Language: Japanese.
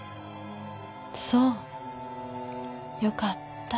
そうよかった。